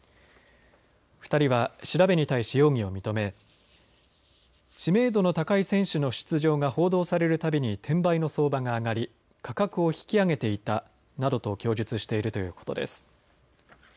２人は調べに対し容疑を認め知名度の高い選手の出場が報道されるたびに転売の相場が上がり価格を引き上げていたなどと供述しているということです。